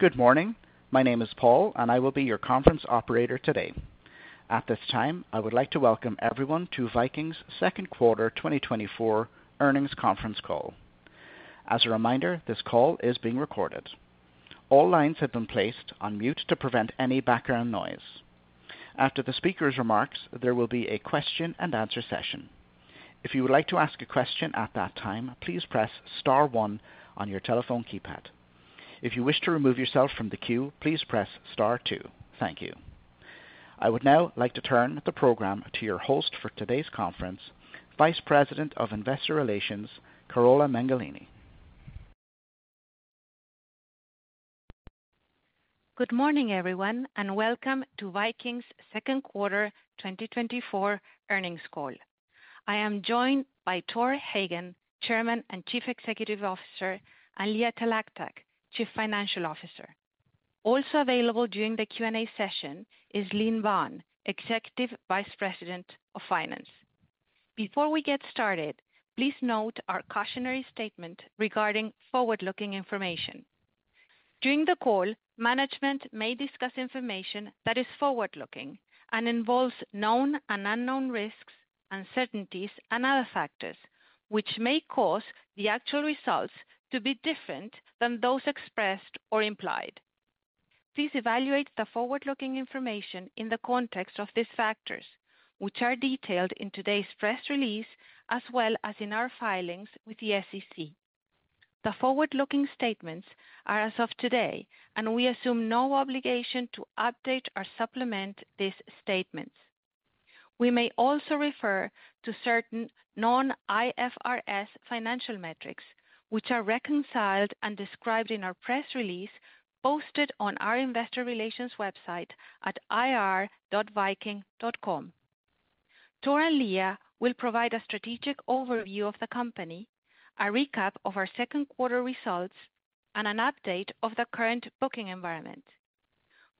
Good morning. My name is Paul, and I will be your conference operator today. At this time, I would like to welcome everyone to Viking's Second Quarter 2024 Earnings Conference Call. As a reminder, this call is being recorded. All lines have been placed on mute to prevent any background noise. After the speaker's remarks, there will be a question-and-answer session. If you would like to ask a question at that time, please press star one on your telephone keypad. If you wish to remove yourself from the queue, please press star two. Thank you. I would now like to turn the program to your host for today's conference, Vice President of Investor Relations, Carola Mengolini. Good morning, everyone, and welcome to Viking's second quarter 2024 earnings call. I am joined by Tor Hagen, Chairman and Chief Executive Officer, and Leah Talactac, Chief Financial Officer. Also available during the Q&A session is Linh Banh, Executive Vice President of Finance. Before we get started, please note our cautionary statement regarding forward-looking information. During the call, management may discuss information that is forward-looking and involves known and unknown risks, uncertainties, and other factors, which may cause the actual results to be different than those expressed or implied. Please evaluate the forward-looking information in the context of these factors, which are detailed in today's press release, as well as in our filings with the SEC. The forward-looking statements are as of today, and we assume no obligation to update or supplement these statements. We may also refer to certain non-IFRS financial metrics, which are reconciled and described in our press release posted on our investor relations website at ir.viking.com. Tor and Leah will provide a strategic overview of the company, a recap of our second quarter results, and an update of the current booking environment.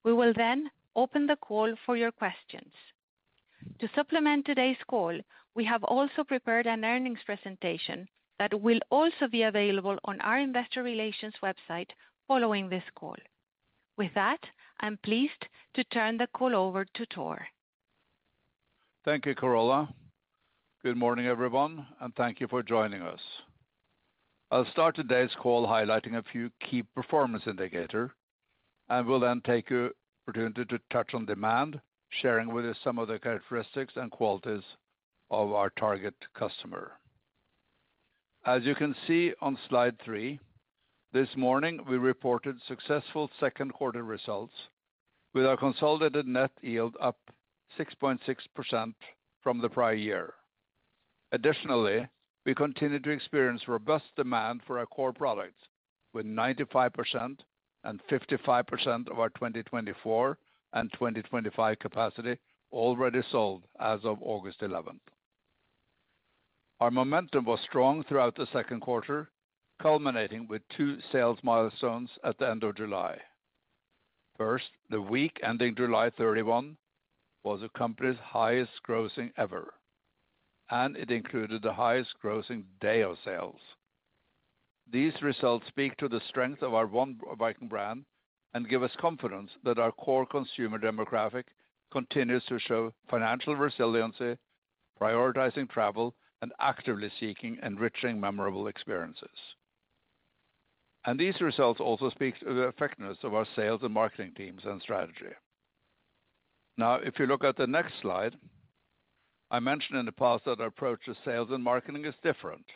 We will then open the call for your questions. To supplement today's call, we have also prepared an earnings presentation that will also be available on our investor relations website following this call. With that, I'm pleased to turn the call over to Tor. Thank you, Carola. Good morning, everyone, and thank you for joining us. I'll start today's call highlighting a few key performance indicators, and will then take the opportunity to touch on demand, sharing with you some of the characteristics and qualities of our target customer. As you can see on slide 3, this morning, we reported successful second quarter results with our consolidated net yield up 6.6% from the prior year. Additionally, we continue to experience robust demand for our core products, with 95% and 55% of our 2024 and 2025 capacity already sold as of August 11. Our momentum was strong throughout the second quarter, culminating with two sales milestones at the end of July. First, the week ending July 31 was the company's highest-grossing ever, and it included the highest-grossing day of sales. These results speak to the strength of our One Viking brand and give us confidence that our core consumer demographic continues to show financial resiliency, prioritizing travel, and actively seeking enriching, memorable experiences, and these results also speak to the effectiveness of our sales and marketing teams and strategy. Now, if you look at the next slide, I mentioned in the past that our approach to sales and marketing is different.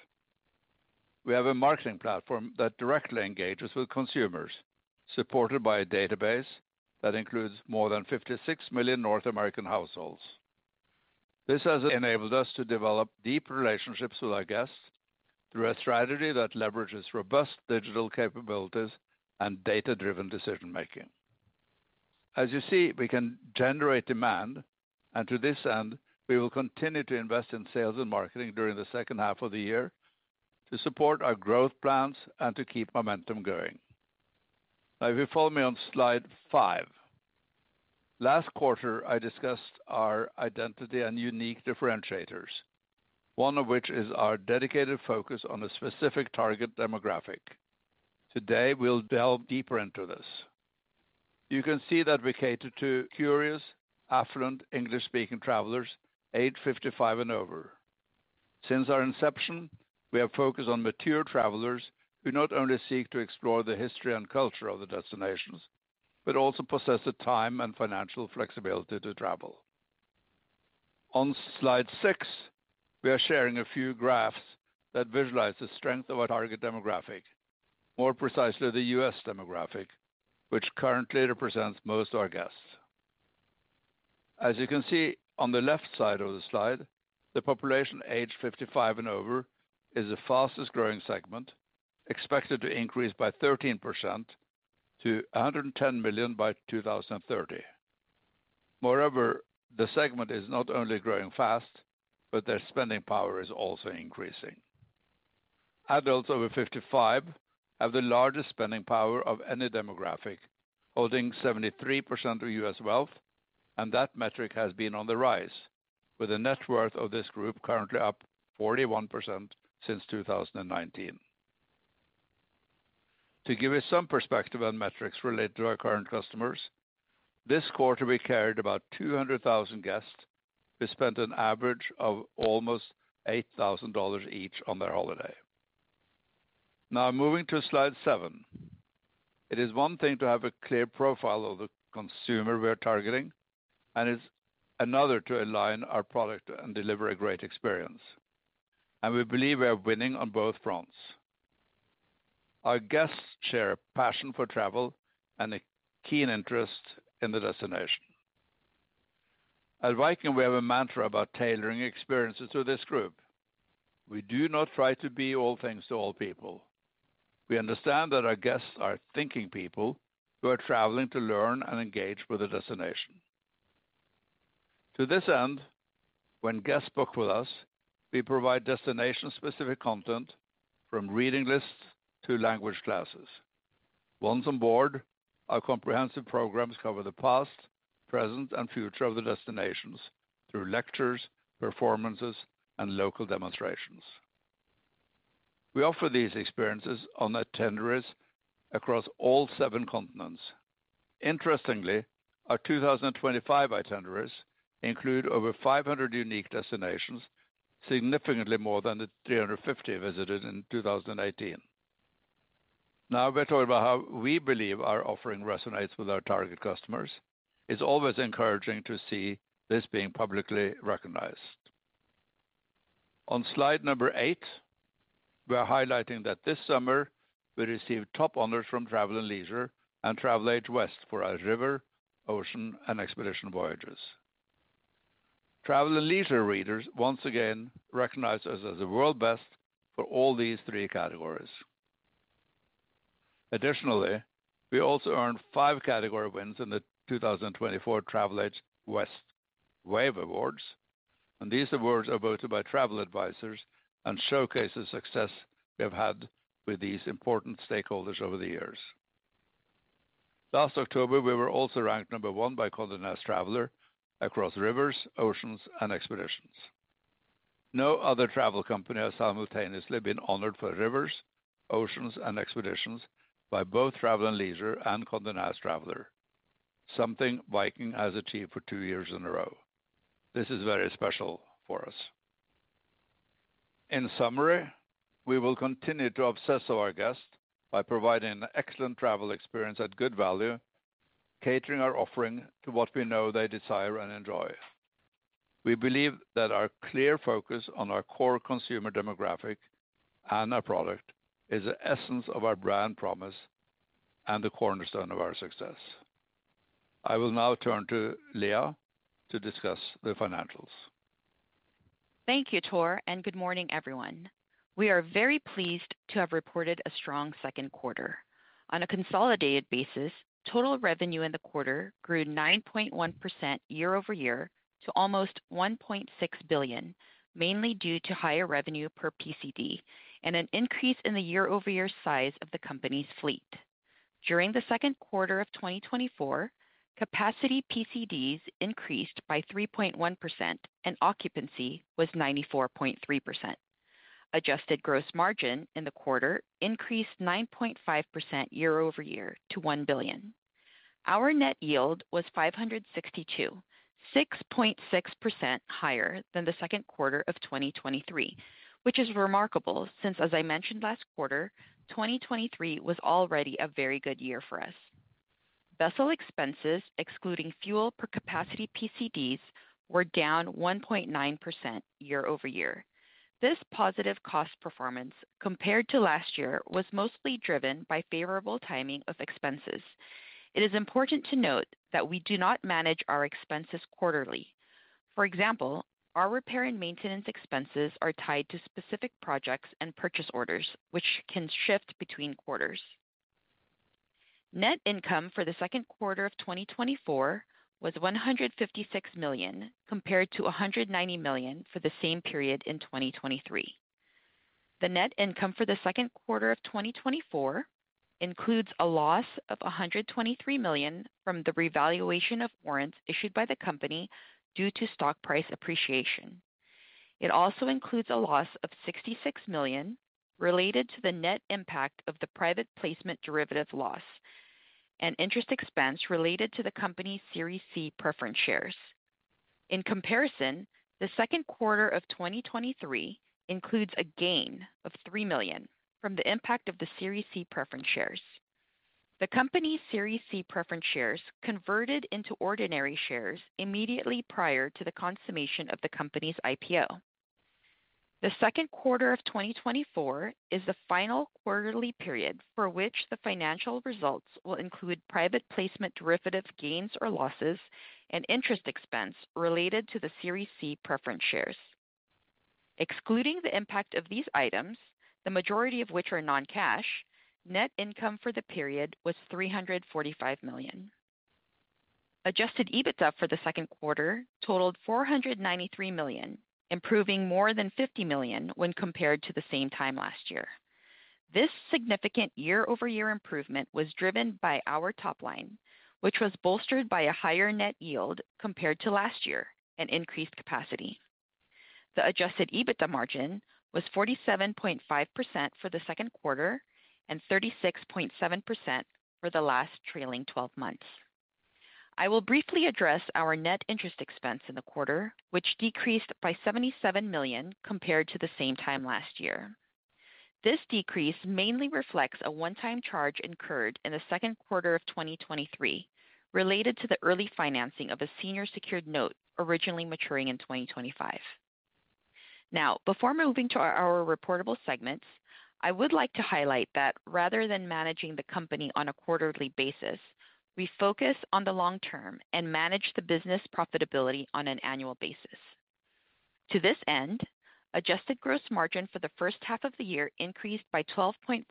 We have a marketing platform that directly engages with consumers, supported by a database that includes more than 56 million North American households. This has enabled us to develop deep relationships with our guests through a strategy that leverages robust digital capabilities and data-driven decision-making. As you see, we can generate demand, and to this end, we will continue to invest in sales and marketing during the second half of the year to support our growth plans and to keep momentum going. Now, if you follow me on slide 5. Last quarter, I discussed our identity and unique differentiators, one of which is our dedicated focus on a specific target demographic. Today, we'll delve deeper into this. You can see that we cater to curious, affluent, English-speaking travelers, aged 55 and over. Since our inception, we have focused on mature travelers who not only seek to explore the history and culture of the destinations, but also possess the time and financial flexibility to travel. On slide 6, we are sharing a few graphs that visualize the strength of our target demographic, more precisely, the U.S. demographic, which currently represents most of our guests. As you can see on the left side of the slide, the population aged 55 and over is the fastest-growing segment, expected to increase by 13% to 110 million by 2030. Moreover, the segment is not only growing fast, but their spending power is also increasing. Adults over 55 have the largest spending power of any demographic, holding 73% of U.S. wealth, and that metric has been on the rise, with the net worth of this group currently up 41% since 2019. To give you some perspective on metrics related to our current customers, this quarter, we carried about 200,000 guests who spent an average of almost $8,000 each on their holiday. Now moving to slide 7. It is one thing to have a clear profile of the consumer we are targeting, and it's another to align our product and deliver a great experience, and we believe we are winning on both fronts. Our guests share a passion for travel and a keen interest in the destination. At Viking, we have a mantra about tailoring experiences to this group. We do not try to be all things to all people. We understand that our guests are thinking people who are traveling to learn and engage with the destination. To this end, when guests book with us, we provide destination-specific content, from reading lists to language classes. Once on board, our comprehensive programs cover the past, present, and future of the destinations through lectures, performances, and local demonstrations. We offer these experiences on our itineraries across all seven continents. Interestingly, our 2025 itineraries include over 500 unique destinations, significantly more than the 350 visited in 2018. Now, we're talking about how we believe our offering resonates with our target customers. It's always encouraging to see this being publicly recognized. On slide number 8, we are highlighting that this summer, we received top honors from Travel + Leisure and TravelAge West for our river, ocean, and expedition voyages. Travel + Leisure readers once again recognized us as the world's best for all these three categories. Additionally, we also earned five category wins in the 2024 TravelAge West WAVE Awards, and these awards are voted by travel advisors and showcase the success we have had with these important stakeholders over the years. Last October, we were also ranked number one by Condé Nast Traveler across rivers, oceans, and expeditions. No other travel company has simultaneously been honored for rivers, oceans, and expeditions by both Travel + Leisure and Condé Nast Traveler, something Viking has achieved for two years in a row. This is very special for us. In summary, we will continue to obsess over our guests by providing an excellent travel experience at good value, catering our offering to what we know they desire and enjoy. We believe that our clear focus on our core consumer demographic and our product is the essence of our brand promise and the cornerstone of our success. I will now turn to Leah to discuss the financials. Thank you, Tor, and good morning, everyone. We are very pleased to have reported a strong second quarter. On a consolidated basis, total revenue in the quarter grew 9.1% year-over-year to almost $1.6 billion, mainly due to higher revenue per PCD and an increase in the year-over-year size of the company's fleet. During the second quarter of 2024, Capacity PCDs increased by 3.1% and occupancy was 94.3%. Adjusted gross margin in the quarter increased 9.5% year-over-year to $1 billion. Our net yield was $562, 6.6% higher than the second quarter of 2023, which is remarkable since, as I mentioned last quarter, 2023 was already a very good year for us. Vessel expenses, excluding fuel per Capacity PCDs, were down 1.9% year-over-year. This positive cost performance, compared to last year, was mostly driven by favorable timing of expenses. It is important to note that we do not manage our expenses quarterly. For example, our repair and maintenance expenses are tied to specific projects and purchase orders, which can shift between quarters. Net income for the second quarter of 2024 was $156 million, compared to $190 million for the same period in 2023. The net income for the second quarter of 2024 includes a loss of $123 million from the revaluation of warrants issued by the company due to stock price appreciation. It also includes a loss of $66 million related to the net impact of the private placement derivative loss and interest expense related to the company's Series C Preference Shares. In comparison, the second quarter of 2023 includes a gain of $3 million from the impact of the Series C Preference Shares. The company's Series C Preference Shares converted into ordinary shares immediately prior to the consummation of the company's IPO. The second quarter of 2024 is the final quarterly period for which the financial results will include private placement, derivative gains or losses, and interest expense related to the Series C Preference Shares. Excluding the impact of these items, the majority of which are non-cash, net income for the period was $345 million. Adjusted EBITDA for the second quarter totaled $493 million, improving more than $50 million when compared to the same time last year. This significant year-over-year improvement was driven by our top line, which was bolstered by a higher net yield compared to last year and increased capacity. The adjusted EBITDA margin was 47.5% for the second quarter and 36.7% for the last trailing 12 months. I will briefly address our net interest expense in the quarter, which decreased by $77 million compared to the same time last year. This decrease mainly reflects a one-time charge incurred in the second quarter of 2023, related to the early financing of a senior secured note originally maturing in 2025. Now, before moving to our reportable segments, I would like to highlight that rather than managing the company on a quarterly basis, we focus on the long term and manage the business profitability on an annual basis. To this end, adjusted gross margin for the first half of the year increased by 12.5%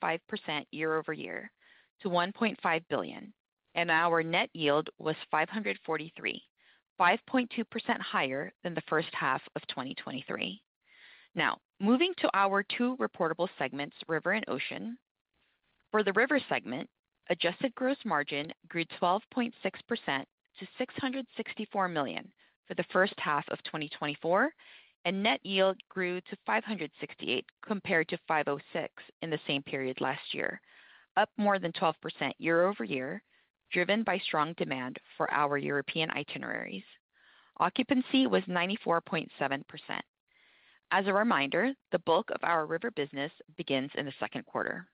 year-over-year to $1.5 billion, and our net yield was $543, 5.2% higher than the first half of 2023. Now, moving to our two reportable segments, River and Ocean. For the River segment, adjusted gross margin grew 12.6% to $664 million for the first half of 2024, and net yield grew to $568, compared to $506 in the same period last year, up more than 12% year-over-year, driven by strong demand for our European itineraries. Occupancy was 94.7%. As a reminder, the bulk of our River business begins in the second quarter.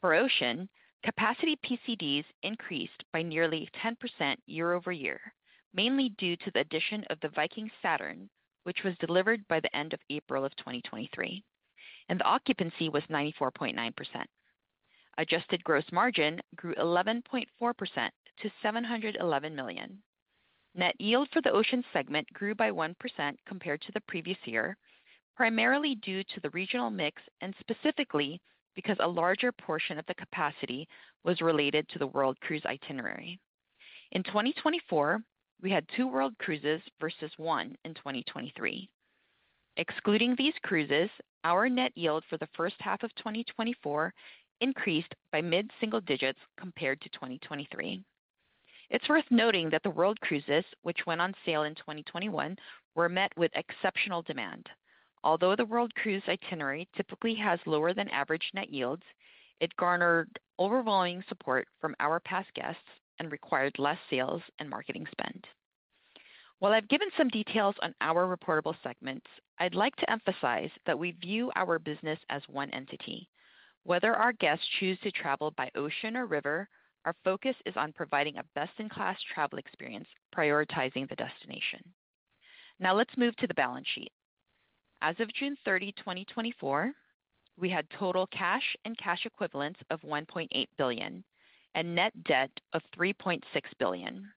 For Ocean, Capacity PCDs increased by nearly 10% year-over-year, mainly due to the addition of the Viking Saturn, which was delivered by the end of April 2023, and the occupancy was 94.9%. Adjusted gross margin grew 11.4% to $711 million. Net yield for the Ocean segment grew by 1% compared to the previous year, primarily due to the regional mix, and specifically because a larger portion of the capacity was related to the World Cruise itinerary. In 2024, we had two World Cruises versus one in 2023. Excluding these cruises, our net yield for the first half of 2024 increased by mid-single digits compared to 2023. It's worth noting that the World Cruises, which went on sale in 2021, were met with exceptional demand. Although the World Cruise itinerary typically has lower than average net yields, it garnered overwhelming support from our past guests and required less sales and marketing spend. While I've given some details on our reportable segments, I'd like to emphasize that we view our business as one entity. Whether our guests choose to travel by ocean or river, our focus is on providing a best-in-class travel experience, prioritizing the destination. Now, let's move to the balance sheet. As of June 30, 2024, we had total cash and cash equivalents of $1.8 billion and net debt of $3.6 billion.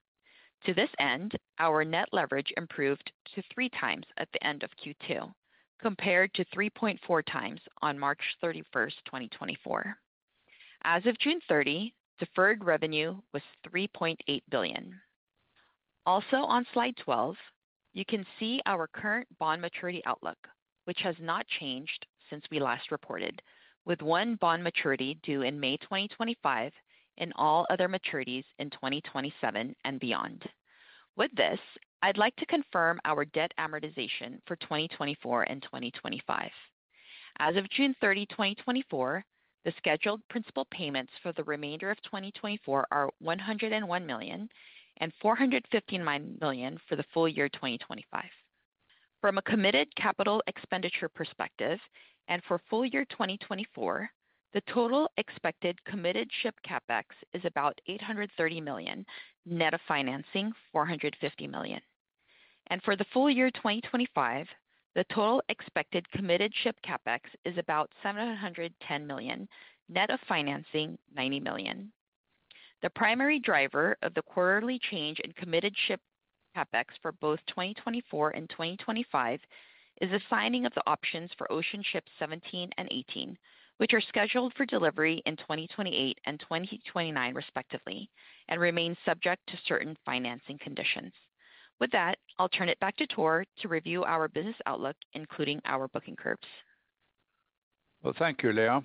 To this end, our net leverage improved to 3x at the end of Q2, compared to 3.4x on March 31, 2024. As of June 30, deferred revenue was $3.8 billion. Also, on slide 12, you can see our current bond maturity outlook, which has not changed since we last reported, with one bond maturity due in May 2025 and all other maturities in 2027 and beyond. With this, I'd like to confirm our debt amortization for 2024 and 2025. As of June 30, 2024, the scheduled principal payments for the remainder of 2024 are $101 million, and $415 million for the full year 2025. From a committed capital expenditure perspective, and for full year 2024, the total expected committed ship CapEx is about $830 million, net of financing, $450 million. For the full year 2025, the total expected committed ship CapEx is about $710 million, net of financing, $90 million. The primary driver of the quarterly change in committed ship CapEx for both 2024 and 2025 is the signing of the options for ocean ships 17 and 18, which are scheduled for delivery in 2028 and 2029 respectively, and remain subject to certain financing conditions. With that, I'll turn it back to Tor to review our business outlook, including our booking curves. Well, thank you, Leah.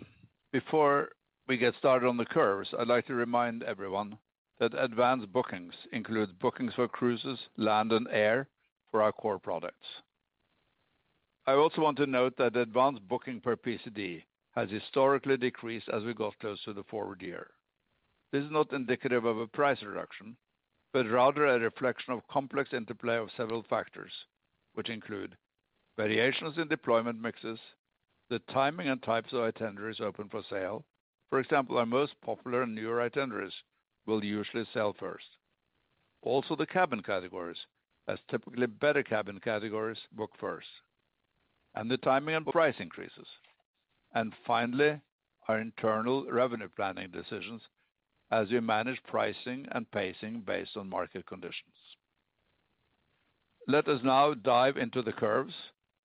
Before we get started on the curves, I'd like to remind everyone that advanced bookings includes bookings for cruises, land, and air for our core products. I also want to note that advanced booking per PCD has historically decreased as we got closer to the forward year. This is not indicative of a price reduction, but rather a reflection of complex interplay of several factors, which include variations in deployment mixes, the timing and types of itineraries open for sale. For example, our most popular and newer itineraries will usually sell first. Also, the cabin categories, as typically better cabin categories, book first. And the timing and price increases. And finally, our internal revenue planning decisions as we manage pricing and pacing based on market conditions. Let us now dive into the curves,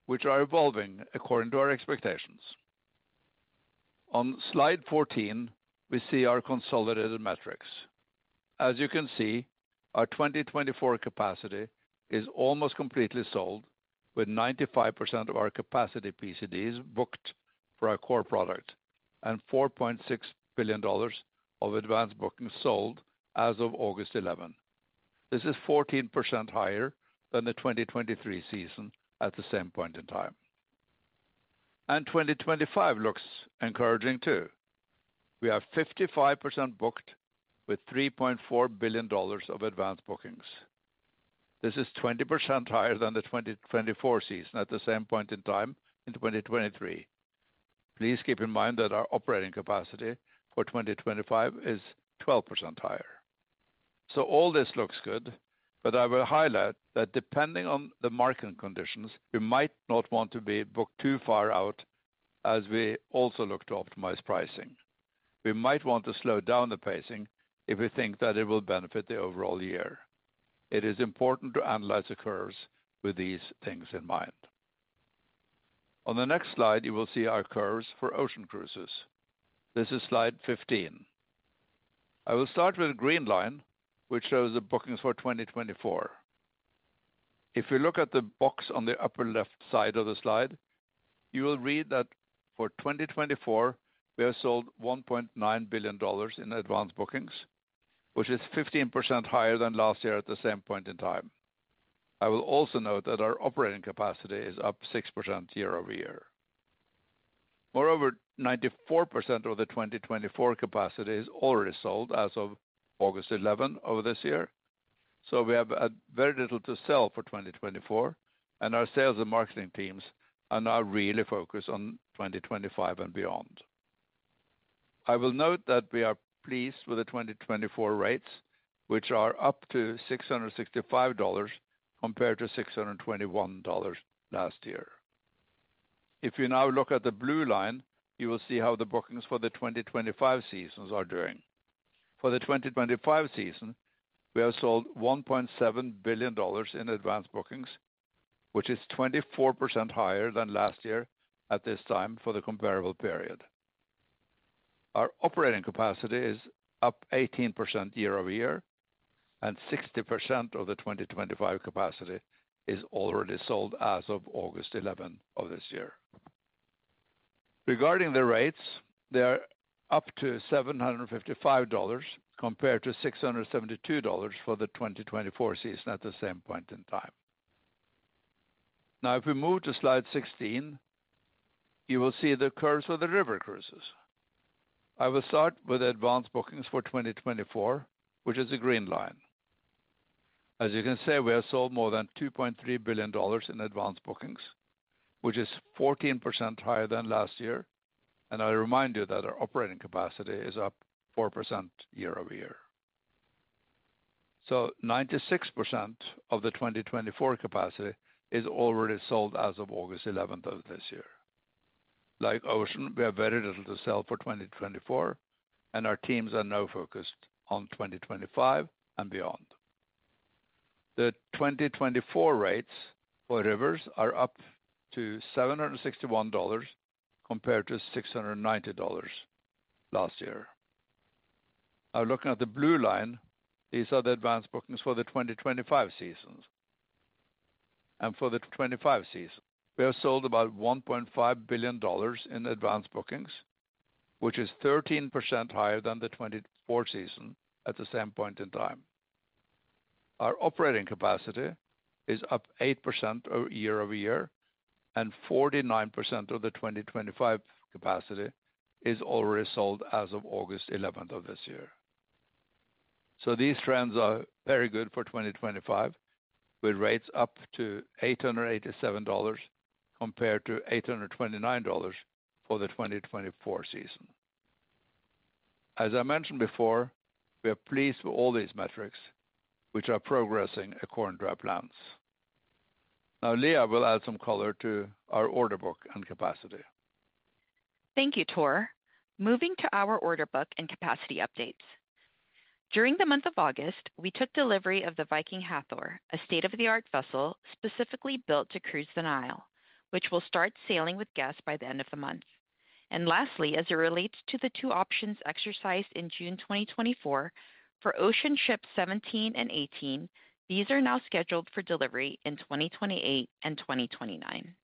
which are evolving according to our expectations. On Slide 14, we see our consolidated metrics. As you can see, our 2024 capacity is almost completely sold, with 95% of our Capacity PCDs booked for our core product and $4.6 billion of advanced bookings sold as of August 11. This is 14% higher than the 2023 season at the same point in time. And 2025 looks encouraging, too. We are 55% booked, with $3.4 billion of advanced bookings. This is 20% higher than the 2024 season at the same point in time in 2023. Please keep in mind that our operating capacity for 2025 is 12% higher. So all this looks good, but I will highlight that depending on the market conditions, we might not want to be booked too far out as we also look to optimize pricing. We might want to slow down the pacing if we think that it will benefit the overall year. It is important to analyze the curves with these things in mind. On the next slide, you will see our curves for ocean cruises. This is slide 15. I will start with the green line, which shows the bookings for 2024. If you look at the box on the upper left side of the slide, you will read that for 2024, we have sold $1.9 billion in advanced bookings, which is 15% higher than last year at the same point in time. I will also note that our operating capacity is up 6% year-over-year. Moreover, 94% of the 2024 capacity is already sold as of August 11 of this year, so we have very little to sell for 2024, and our sales and marketing teams are now really focused on 2025 and beyond. I will note that we are pleased with the 2024 rates, which are up to $665, compared to $621 last year. If you now look at the blue line, you will see how the bookings for the 2025 seasons are doing. For the 2025 season, we have sold $1.7 billion in advance bookings, which is 24% higher than last year at this time for the comparable period. Our operating capacity is up 18% year-over-year, and 60% of the 2025 capacity is already sold as of August 11 of this year. Regarding the rates, they are up to $755, compared to $672 for the 2024 season at the same point in time. Now, if we move to slide 16, you will see the curves of the river cruises. I will start with advanced bookings for 2024, which is the green line. As you can see, we have sold more than $2.3 billion in advanced bookings, which is 14% higher than last year, and I remind you that our operating capacity is up 4% year-over-year. So 96% of the 2024 capacity is already sold as of August 11 of this year. Like ocean, we have very little to sell for 2024, and our teams are now focused on 2025 and beyond. The 2024 rates for rivers are up to $761, compared to $690 last year. Now looking at the blue line, these are the advanced bookings for the 2025 seasons, and for the 2025 season, we have sold about $1.5 billion in advanced bookings, which is 13% higher than the 2024 season at the same point in time. Our operating capacity is up 8% year-over-year, and 49% of the 2025 capacity is already sold as of August 11th of this year. These trends are very good for 2025, with rates up to $887, compared to $829 for the 2024 season. As I mentioned before, we are pleased with all these metrics, which are progressing according to our plans. Now, Leah will add some color to our order book and capacity. Thank you, Tor. Moving to our order book and capacity updates. During the month of August, we took delivery of the Viking Hathor, a state-of-the-art vessel, specifically built to cruise the Nile, which will start sailing with guests by the end of the month. And lastly, as it relates to the two options exercised in June 2024, for ocean ships 17 and 18, these are now scheduled for delivery in 2028 and 2029.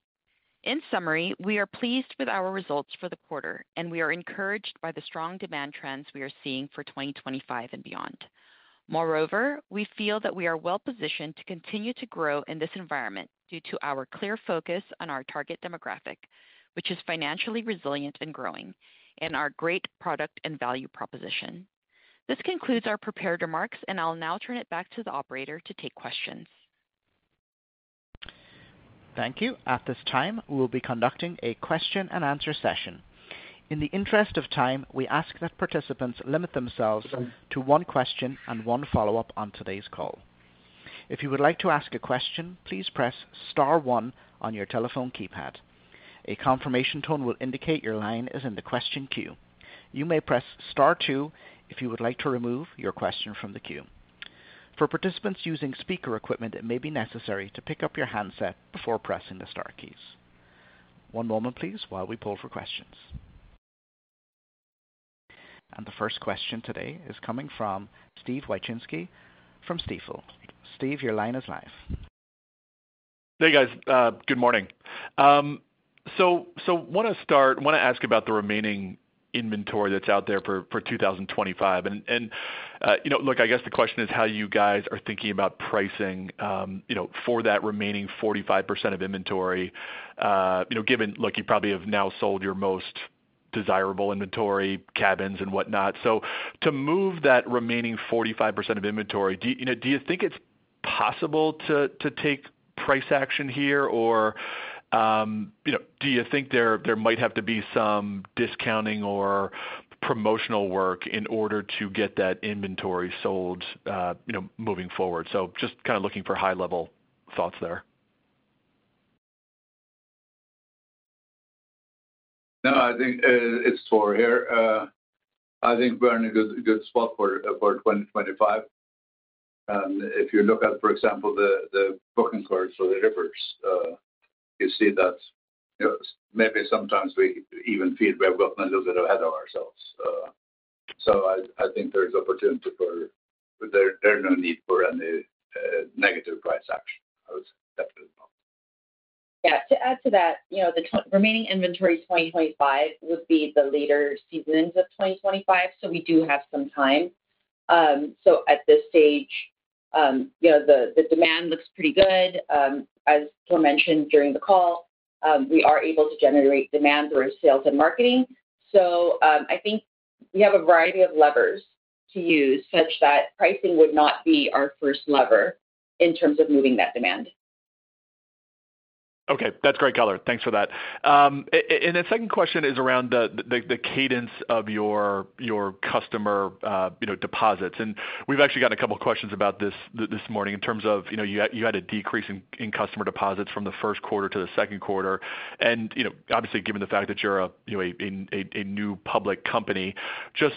In summary, we are pleased with our results for the quarter, and we are encouraged by the strong demand trends we are seeing for 2025 and beyond. Moreover, we feel that we are well-positioned to continue to grow in this environment, due to our clear focus on our target demographic, which is financially resilient and growing, and our great product and value proposition. This concludes our prepared remarks, and I'll now turn it back to the operator to take questions. Thank you. At this time, we'll be conducting a question-and-answer session. In the interest of time, we ask that participants limit themselves to one question and one follow-up on today's call. If you would like to ask a question, please press star one on your telephone keypad. A confirmation tone will indicate your line is in the question queue. You may press star two if you would like to remove your question from the queue. For participants using speaker equipment, it may be necessary to pick up your handset before pressing the star keys. One moment, please, while we pull for questions, and the first question today is coming from Steven Wieczynski from Stifel. Steven, your line is live. Hey, guys, good morning. So wanna start, wanna ask about the remaining inventory that's out there for 2025. And you know, look, I guess the question is how you guys are thinking about pricing, you know, for that remaining 45% of inventory, you know, given, look, you probably have now sold your most desirable inventory, cabins and whatnot. So to move that remaining 45% of inventory, do you, you know, do you think it's possible to take price action here? Or, you know, do you think there might have to be some discounting or promotional work in order to get that inventory sold, you know, moving forward? So just kinda looking for high-level thoughts there. No, I think it's for here. I think we're in a good spot for 2025. And if you look at, for example, the booking cards for the rivers, you see that, you know, maybe sometimes we even feel we have gotten a little bit ahead of ourselves. So I think there is no need for any negative price action. I would definitely not. Yeah, to add to that, you know, the remaining inventory 2025 would be the later seasons of 2025, so we do have some time. So at this stage, you know, the demand looks pretty good. As Tor mentioned during the call, we are able to generate demand through sales and marketing. So, I think we have a variety of levers to use such that pricing would not be our first lever in terms of moving that demand. Okay, that's great color. Thanks for that. And the second question is around the cadence of your customer, you know, deposits. And we've actually got a couple questions about this morning in terms of, you know, you had a decrease in customer deposits from the first quarter to the second quarter. And, you know, obviously, given the fact that you're a new public company, just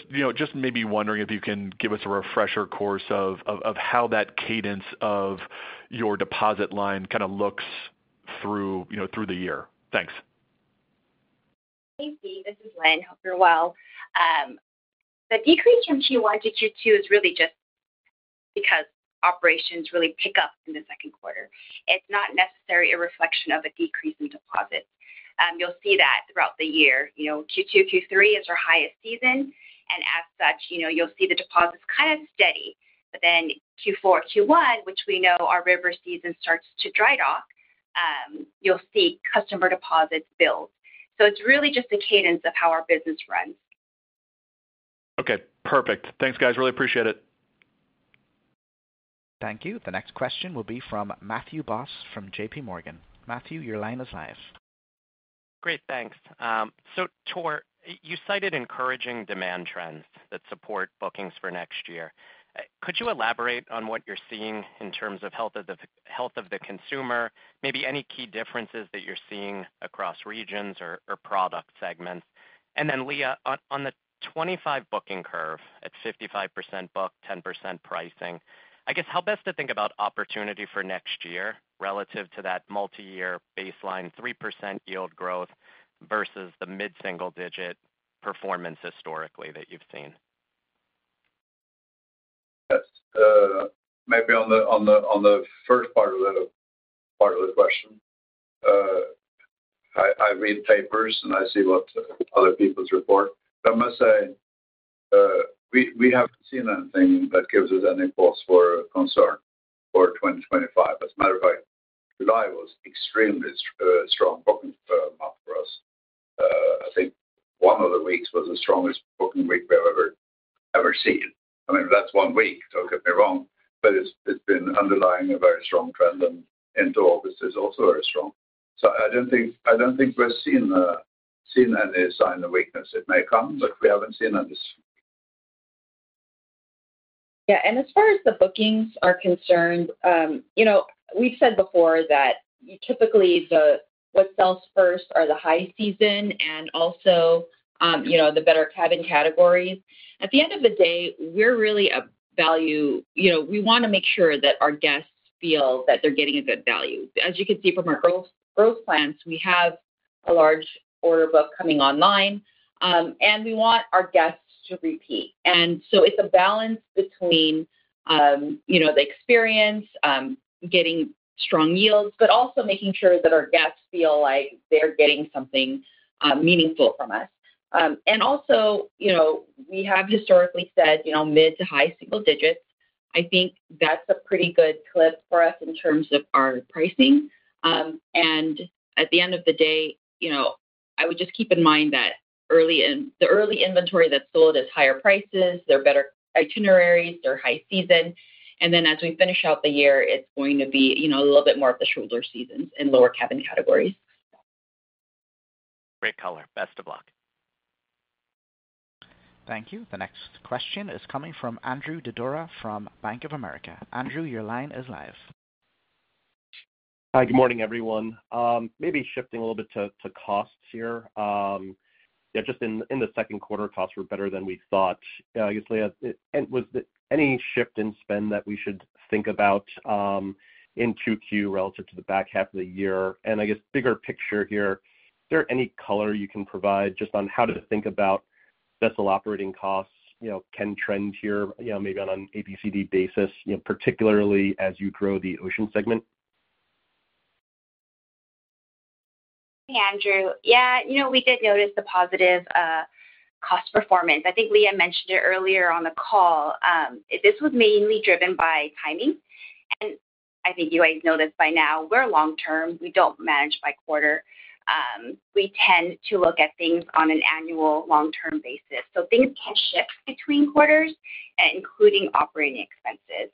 maybe wondering if you can give us a refresher course of how that cadence of your deposit line kinda looks through the year. Thanks. Hey, Steven, this is Linh. Hope you're well. The decrease from Q1-Q2 is really just because operations really pick up in the second quarter. It's not necessarily a reflection of a decrease in deposits. You'll see that throughout the year. You know, Q2, Q3 is our highest season, and as such, you know, you'll see the deposits kind of steady. But then Q4, Q1, which we know our river season starts to dry off, you'll see customer deposits build. So it's really just the cadence of how our business runs. Okay, perfect. Thanks, guys. Really appreciate it. Thank you. The next question will be from Matthew Boss, from JPMorgan. Matthew, your line is live. Great, thanks. So Tor, you cited encouraging demand trends that support bookings for next year. Could you elaborate on what you're seeing in terms of health of the consumer, maybe any key differences that you're seeing across regions or product segments? And then, Leah, on the 2025 booking curve, at 55% booked, 10% pricing, I guess how best to think about opportunity for next year relative to that multiyear baseline, 3% yield growth versus the mid-single digit performance historically that you've seen? Yes, maybe on the first part of the question. I read papers, and I see what other people's report. I must say, we haven't seen anything that gives us any cause for concern for 2025. As a matter of fact, July was an extremely strong booking month for us. I think one of the weeks was the strongest booking week we've ever seen. I mean, that's one week, don't get me wrong, but it's been underlying a very strong trend, and into August is also very strong. So I don't think we're seeing any sign of weakness. It may come, but we haven't seen it this. Yeah, and as far as the bookings are concerned, you know, we've said before that typically the, what sells first are the high season and also, you know, the better cabin categories. At the end of the day, we're really a value. You know, we wanna make sure that our guests feel that they're getting a good value. As you can see from our growth plans, we have a large order book coming online, and we want our guests to repeat. And so it's a balance between, you know, the experience, getting strong yields, but also making sure that our guests feel like they're getting something meaningful from us. And also, you know, we have historically said, you know, mid to high single digits. I think that's a pretty good clip for us in terms of our pricing. And at the end of the day, you know, I would just keep in mind that early inventory that's sold is higher prices, they're better itineraries, they're high season. And then as we finish out the year, it's going to be, you know, a little bit more of the shoulder seasons and lower cabin categories. Great color. Best of luck. Thank you. The next question is coming from Andrew Didora from Bank of America. Andrew, your line is live. Hi, good morning, everyone. Maybe shifting a little bit to costs here. Yeah, just in the second quarter, costs were better than we thought. Usually, and was there any shift in spend that we should think about in Q2 relative to the back half of the year? And I guess bigger picture here, is there any color you can provide just on how to think about vessel operating costs, you know, can trend here, you know, maybe on an ABCD basis, you know, particularly as you grow the Ocean segment? Hey, Andrew. Yeah, you know, we did notice the positive cost performance. I think Leah mentioned it earlier on the call. This was mainly driven by timing, and I think you guys know this by now, we're long-term. We don't manage by quarter. We tend to look at things on an annual long-term basis, so things can shift between quarters, including operating expenses.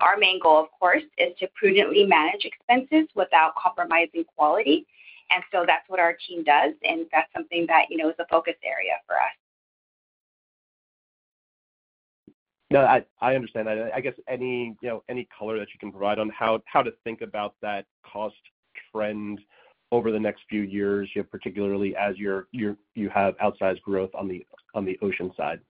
Our main goal, of course, is to prudently manage expenses without compromising quality, and so that's what our team does, and that's something that, you know, is a focus area for us. No, I understand that. I guess, you know, any color that you can provide on how to think about that cost trend over the next few years, you know, particularly as you have outsized growth on the ocean side.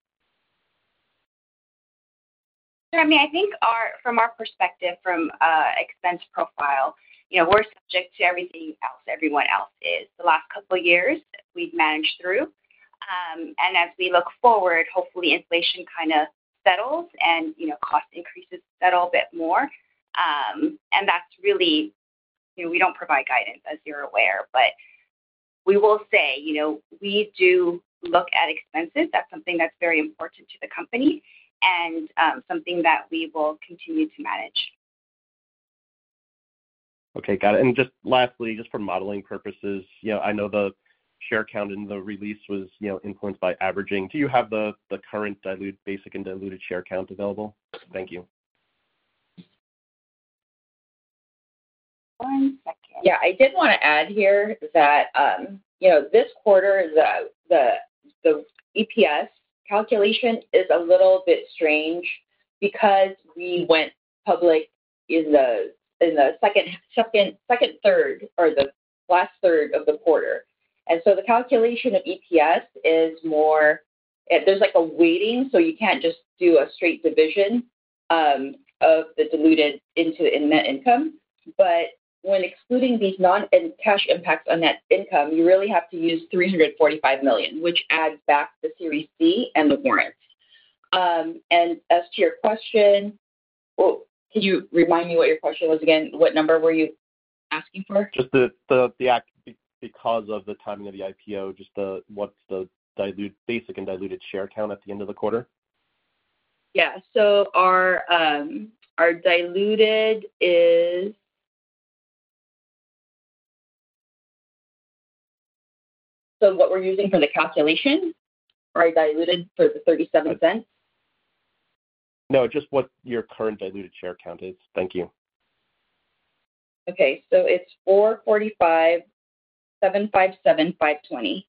I mean, I think our from our perspective, from an expense profile, you know, we're subject to everything else, everyone else is. The last couple of years, we've managed through, and as we look forward, hopefully inflation kind of settles and, you know, cost increases settle a bit more. And that's really, you know, we don't provide guidance, as you're aware, but we will say, you know, we do look at expenses. That's something that's very important to the company and, something that we will continue to manage. Okay, got it. And just lastly, just for modeling purposes, you know, I know the share count in the release was, you know, influenced by averaging. Do you have the current diluted, basic and diluted share count available? Thank you. One second. Yeah, I did wanna add here that, you know, this quarter, the EPS calculation is a little bit strange because we went public in the second third or the last third of the quarter. So the calculation of EPS is more. There's like a weighting, so you can't just do a straight division of the diluted into net income. But when excluding these non-cash impacts on net income, you really have to use $345 million, which adds back the Series C and the warrants. As to your question, well, could you remind me what your question was again? What number were you asking for? Just the actual because of the timing of the IPO, what's the diluted, basic and diluted share count at the end of the quarter? Yeah. So our diluted is. So what we're using for the calculation are diluted for the $0.37? No, just what your current diluted share count is? Thank you. Okay, so it's $4.45, $7.57, $5.20.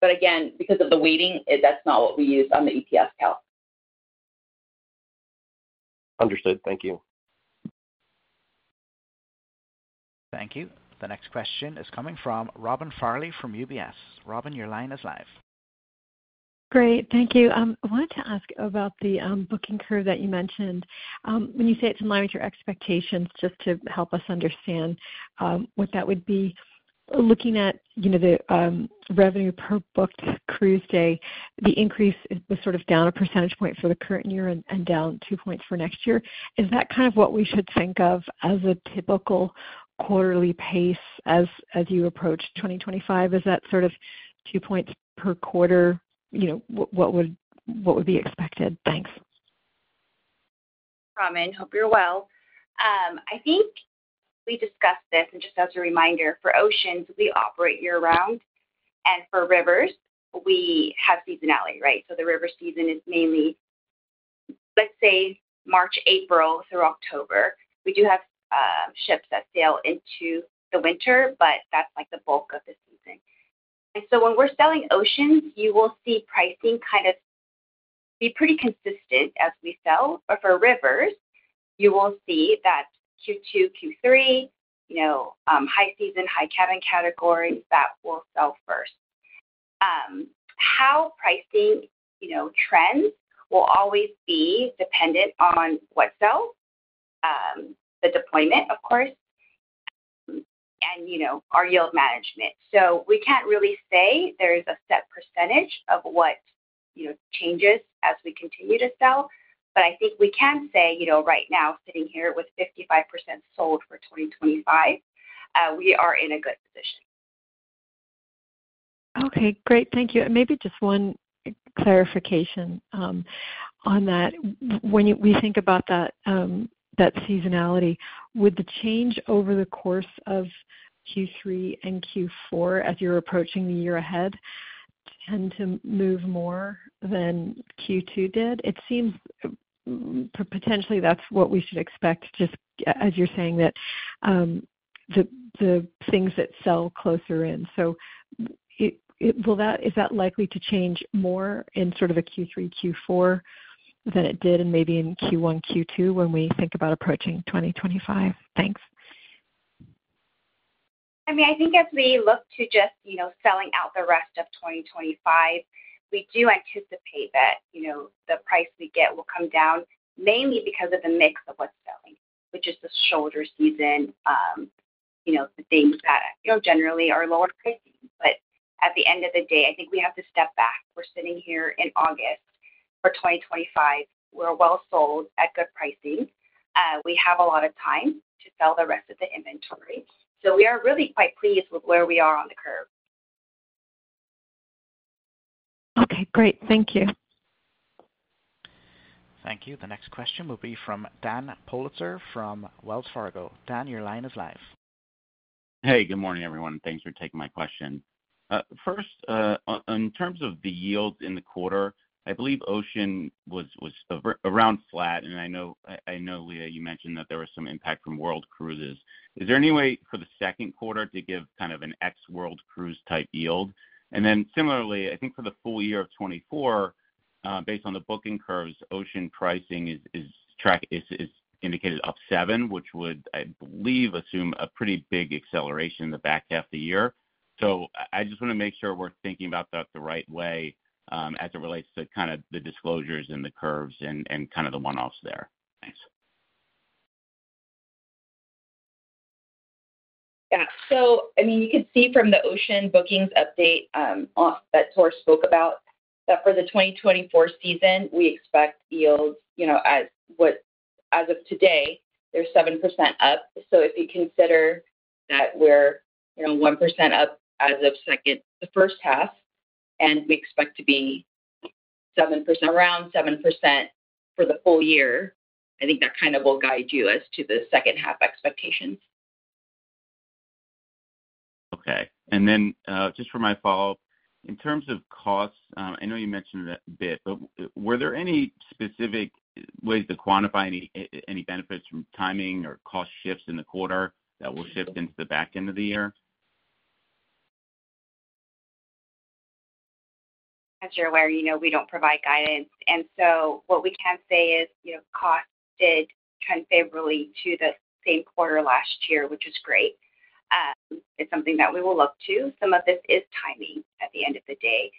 But again, because of the weighting, it- that's not what we use on the EPS calc. Understood. Thank you. Thank you. The next question is coming from Robin Farley from UBS. Robin, your line is live. Great. Thank you. I wanted to ask about the booking curve that you mentioned. When you say it's in line with your expectations, just to help us understand what that would be. Looking at, you know, the revenue per booked cruise day, the increase was sort of down a percentage point for the current year and down two points for next year. Is that kind of what we should think of as a typical quarterly pace as you approach 2025? Is that sort of two points per quarter? You know, what would be expected? Thanks. Robin, hope you're well. I think we discussed this, and just as a reminder, for oceans, we operate year-round, and for rivers, we have seasonality, right? So the river season is mainly, let's say, March, April through October. We do have ships that sail into the winter, but that's like the bulk of the season. And so when we're selling oceans, you will see pricing kind of be pretty consistent as we sell. But for rivers, you will see that Q2, Q3, you know, high season, high cabin categories, that will sell first. How pricing, you know, trends will always be dependent on what sells, the deployment, of course, and, you know, our yield management. We can't really say there is a set percentage of what, you know, changes as we continue to sell, but I think we can say, you know, right now, sitting here with 55% sold for 2025, we are in a good position. Okay, great. Thank you. And maybe just one clarification on that. When we think about that seasonality, would the change over the course of Q3 and Q4, as you're approaching the year ahead, tend to move more than Q2 did? It seems potentially that's what we should expect, just as you're saying that, the things that sell closer in. So that is that likely to change more in sort of a Q3, Q4 than it did in maybe in Q1, Q2, when we think about approaching 2025? Thanks. I mean, I think as we look to just, you know, selling out the rest of 2025, we do anticipate that, you know, the price we get will come down, mainly because of the mix of what's selling, which is the shoulder season, you know, the things that, you know, generally are lower pricing. But at the end of the day, I think we have to step back. We're sitting here in August. For 2025, we're well sold at good pricing. We have a lot of time to sell the rest of the inventory, so we are really quite pleased with where we are on the curve. Okay, great. Thank you. Thank you. The next question will be from Dan Politzer from Wells Fargo. Dan, your line is live. Hey, good morning, everyone, and thanks for taking my question. First, in terms of the yields in the quarter, I believe Ocean was around flat, and I know, Leah, you mentioned that there was some impact from World Cruises. Is there any way for the second quarter to give kind of an ex-World Cruise type yield? And then similarly, I think for the full year of 2024, based on the booking curves, Ocean pricing is indicated up 7%, which would, I believe, assume a pretty big acceleration in the back half of the year. So I just wanna make sure we're thinking about that the right way, as it relates to kind of the disclosures and the curves and kind of the one-offs there. Thanks. Yeah. So I mean, you can see from the Ocean bookings update, of that Tor spoke about, that for the 2024 season, we expect yields, you know, as of today, they're 7% up. So if you consider that we're, you know, 1% up as of second, the first half, and we expect to be 7%, around 7% for the full year, I think that kind of will guide you as to the second half expectations. Okay. And then, just for my follow-up, in terms of costs, I know you mentioned it a bit, but, were there any specific ways to quantify any benefits from timing or cost shifts in the quarter that will shift into the back end of the year? As you're aware, you know, we don't provide guidance, and so what we can say is, you know, cost did turn favorably to the same quarter last year, which is great. It's something that we will look to. Some of this is timing at the end of the day.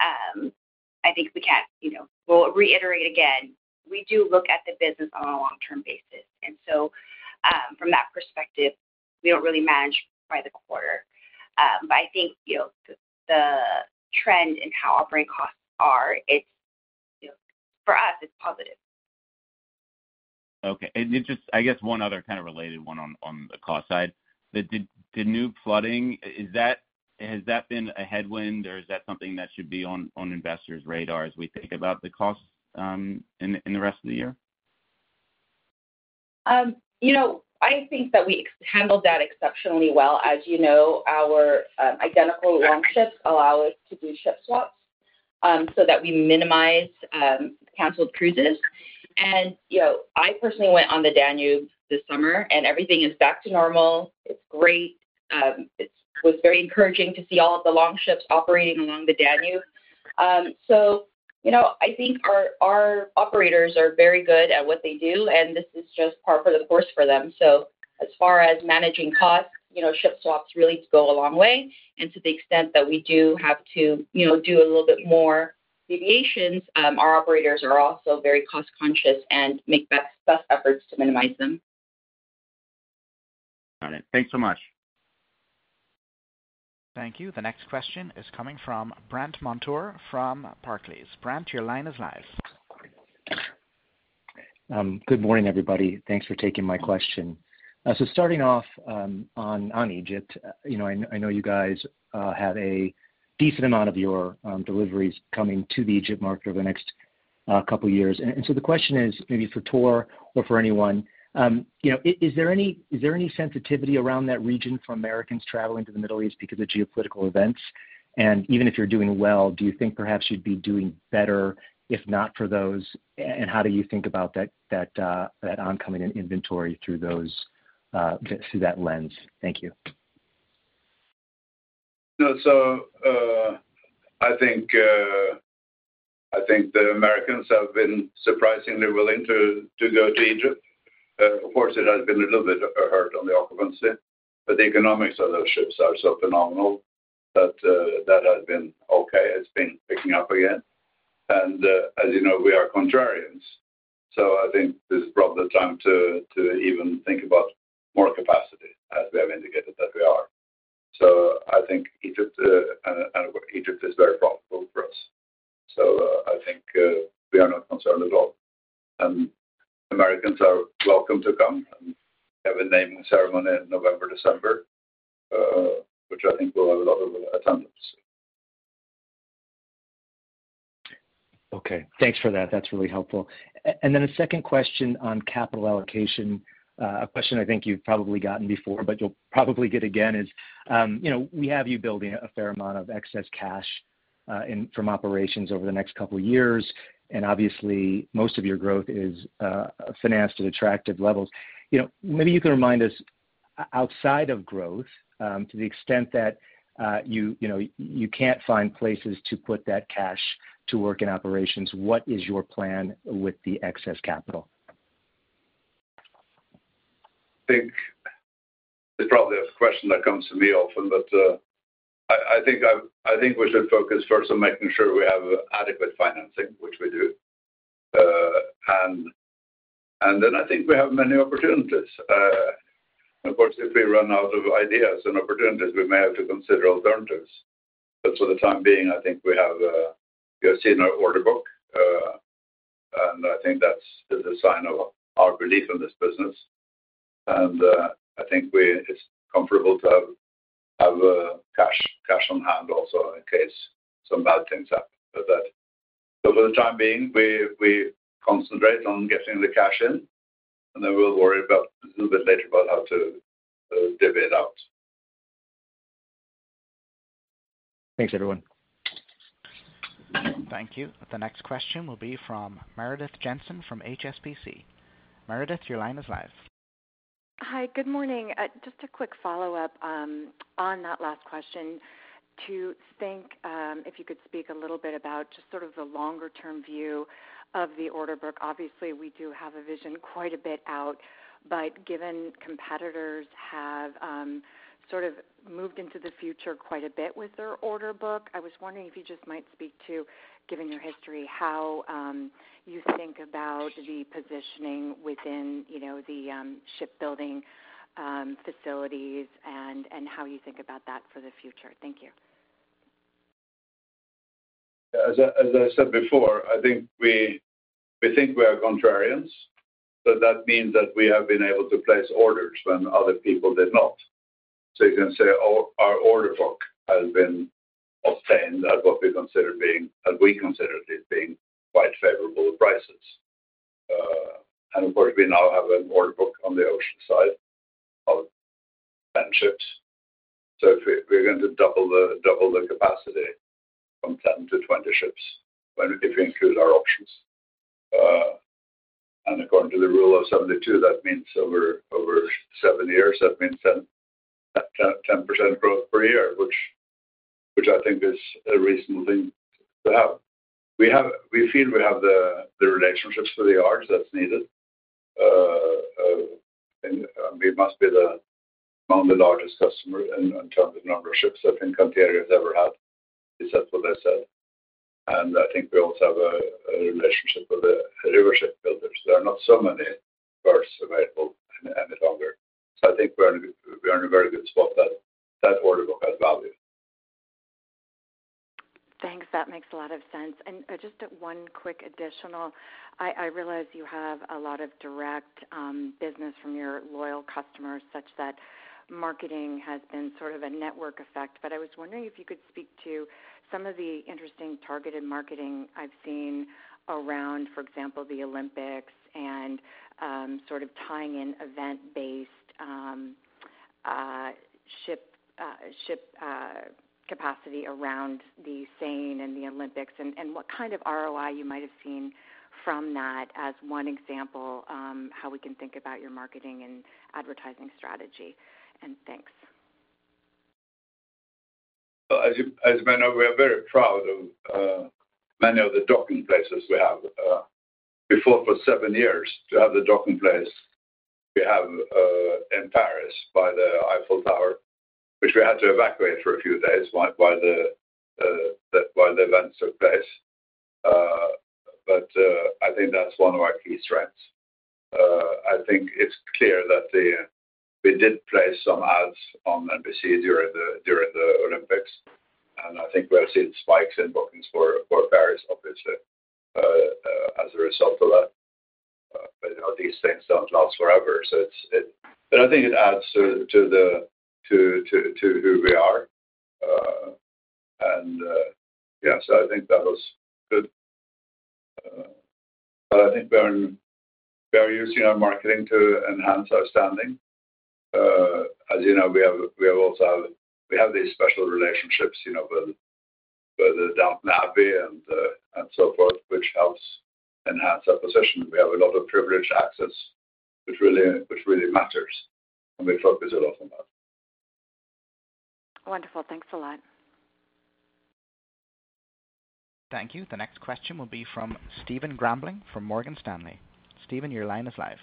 I think we can't, you know. We'll reiterate again, we do look at the business on a long-term basis, and so, from that perspective, we don't really manage by the quarter. But I think, you know, the trend in how operating costs are, it's, you know, for us, it's positive. Okay. And just, I guess, one other kind of related one on the cost side: the Danube flooding, is that - has that been a headwind, or is that something that should be on investors' radar as we think about the costs in the rest of the year? You know, I think that we handled that exceptionally well. As you know, our identical Longships allow us to do ship swaps so that we minimize canceled cruises, and you know, I personally went on the Danube this summer, and everything is back to normal. It's great. It was very encouraging to see all of the Longships operating along the Danube, so you know, I think our operators are very good at what they do, and this is just par for the course for them, so as far as managing costs, you know, ship swaps really go a long way, and to the extent that we do have to, you know, do a little bit more deviations, our operators are also very cost conscious and make best efforts to minimize them. Got it. Thanks so much. Thank you. The next question is coming from Brandt Montour from Barclays. Brandt, your line is live. Good morning, everybody. Thanks for taking my question. So starting off, on Egypt, you know, I know you guys have a decent amount of your deliveries coming to the Egypt market over the next couple years. And so the question is, maybe for Tor or for anyone, you know, is there any sensitivity around that region for Americans traveling to the Middle East because of geopolitical events? And even if you're doing well, do you think perhaps you'd be doing better, if not for those, and how do you think about that oncoming inventory through that lens? Thank you. No, so I think the Americans have been surprisingly willing to go to Egypt. Of course, it has been a little bit hard on the occupancy, but the economics of those ships are so phenomenal that that has been okay. It's been picking up again. And as you know, we are contrarians, so I think this is probably the time to even think about more capacity, as we have indicated that we are. So I think Egypt and Egypt is very profitable for us, so I think we are not concerned at all. And Americans are welcome to come and have a naming ceremony in November, December, which I think will have a lot of attendance. Okay, thanks for that. That's really helpful, and then a second question on capital allocation. A question I think you've probably gotten before, but you'll probably get again, is, you know, we have you building a fair amount of excess cash from operations over the next couple of years, and obviously, most of your growth is financed at attractive levels. You know, maybe you can remind us, outside of growth, to the extent that you know, you can't find places to put that cash to work in operations, what is your plan with the excess capital? Question that comes to me often, but I think we should focus first on making sure we have adequate financing, which we do, and then I think we have many opportunities. Of course, if we run out of ideas and opportunities, we may have to consider alternatives, but for the time being, I think you have seen our order book, and I think that's the sign of our belief in this business. I think it's comfortable to have cash on hand also in case some bad things happen, but for the time being, we concentrate on getting the cash in, and then we'll worry about a little bit later about how to divvy it out. Thanks, everyone. Thank you. The next question will be from Meredith Jensen from HSBC. Meredith, your line is live. Hi, good morning. Just a quick follow-up, on that last question, to think, if you could speak a little bit about just sort of the longer-term view of the order book. Obviously, we do have a vision quite a bit out, but given competitors have, sort of moved into the future quite a bit with their order book, I was wondering if you just might speak to, given your history, how, you think about the positioning within, you know, the, shipbuilding, facilities and, and how you think about that for the future? Thank you. As I said before, I think we think we are contrarians, so that means that we have been able to place orders when other people did not. So you can say all our order book has been obtained at what we consider being, and we consider it being quite favorable prices. And of course, we now have an order book on the ocean side of 10 ships. So if we're going to double the capacity from 10-20 ships, when if you include our options? And according to the rule of 72, that means over seven years, that means 10% growth per year, which I think is a reasonable thing to have. We feel we have the relationships with the yards that's needed. We must be one of the largest customer in terms of number of ships I think Fincantieri has ever had, is that what they said? And I think we also have a relationship with the river ship builders. There are not so many berths available any longer. So I think we're in a very good spot that order book has value. Thanks. That makes a lot of sense. And, just one quick additional: I realize you have a lot of direct business from your loyal customers, such that marketing has been sort of a network effect. But I was wondering if you could speak to some of the interesting targeted marketing I've seen around, for example, the Olympics and sort of tying in event-based ship capacity around the Seine and the Olympics, and what kind of ROI you might have seen from that as one example, how we can think about your marketing and advertising strategy. And thanks. As you may know, we are very proud of many of the docking places we have. For seven years to have the docking place we have in Paris, by the Eiffel Tower, which we had to evacuate for a few days while the events took place. I think that's one of our key strengths. I think it's clear that we did place some ads on NBC during the Olympics, and I think we have seen spikes in bookings for Paris, obviously as a result of that. You know, these things don't last forever, so it's. I think it adds to who we are. Yes, I think that was good. But I think we are using our marketing to enhance our standing. As you know, we also have these special relationships, you know, with the Downton Abbey and so forth, which helps enhance our position. We have a lot of privileged access, which really matters, and we talk about it a lot about. Wonderful. Thanks a lot. Thank you. The next question will be from Stephen Grambling from Morgan Stanley. Stephen, your line is live.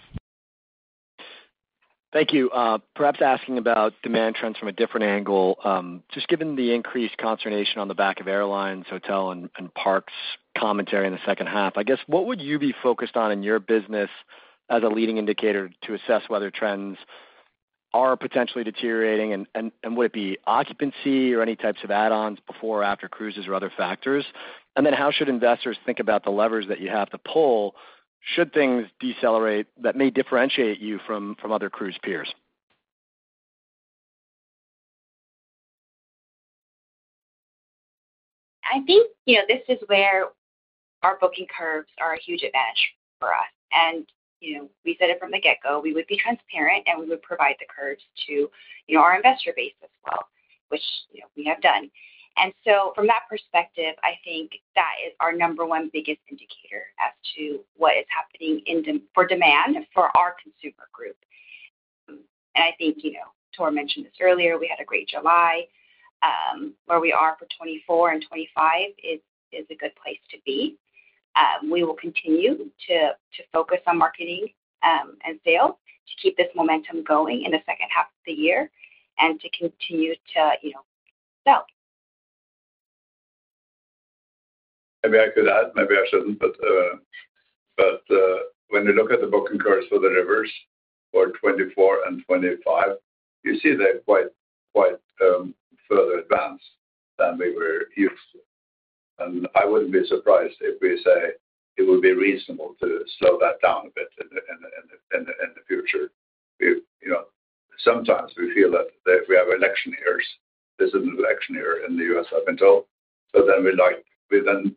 Thank you. Perhaps asking about demand trends from a different angle, just given the increased consternation on the back of airlines, hotel, and parks commentary in the second half, I guess, what would you be focused on in your business as a leading indicator to assess whether trends are potentially deteriorating? And would it be occupancy or any types of add-ons before or after cruises or other factors? And then how should investors think about the levers that you have to pull, should things decelerate, that may differentiate you from other cruise peers? I think, you know, this is where our booking curves are a huge advantage for us. And, you know, we said it from the get-go, we would be transparent, and we would provide the curves to, you know, our investor base as well, which, you know, we have done. And so from that perspective, I think that is our number one biggest indicator as to what is happening in demand for our consumer group. And I think, you know, Tor mentioned this earlier, we had a great July. Where we are for 2024 and 2025 is a good place to be. We will continue to focus on marketing and sales to keep this momentum going in the second half of the year and to continue to, you know, sell. Maybe I could add, maybe I shouldn't, but when you look at the booking curves for the rivers for 2024 and 2025, you see they're quite further advanced than we were used to. And I wouldn't be surprised if we say it would be reasonable to slow that down a bit in the future. We, you know, sometimes we feel that we have election years. There's an election year in the U.S., I've been told. So then we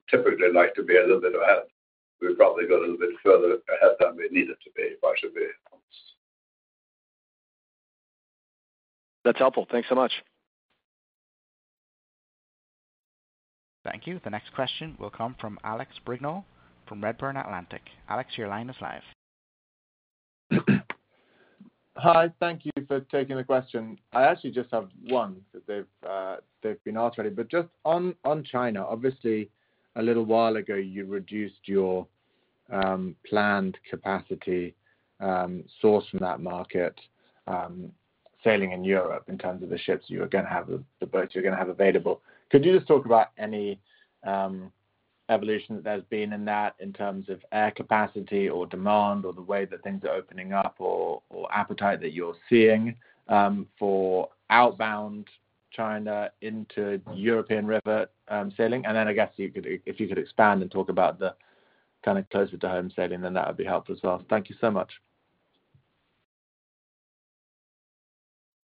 typically like to be a little bit ahead. We've probably got a little bit further ahead than we needed to be, but should be. That's helpful. Thanks so much. Thank you. The next question will come from Alex Brignall, from Redburn Atlantic. Alex, your line is live. Hi, thank you for taking the question. I actually just have one, because they've been asked already. But just on China, obviously, a little while ago, you reduced your planned capacity source from that market sailing in Europe in terms of the ships you were gonna have, the boats you're gonna have available. Could you just talk about any evolution that there's been in that in terms of air capacity or demand, or the way that things are opening up, or appetite that you're seeing for outbound China into European river sailing? And then I guess you could- if you could expand and talk about the kind of closer-to-home sailing, then that would be helpful as well. Thank you so much.